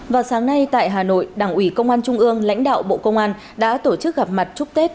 vào sáng nay tại hà nội đảng ủy công an trung ương lãnh đạo bộ công an đã tổ chức gặp mặt chúc tết